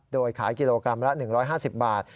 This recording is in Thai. โดยขายกิโลกรัมละ๑๕๐บาท